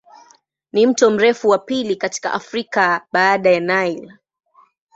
Ni mto mrefu wa pili katika Afrika baada ya Nile.